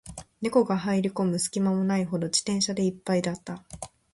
猫が入る込む隙間もないほど、自転車で一杯だった